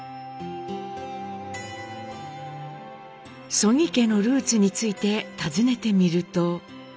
曽木家のルーツについて尋ねてみると。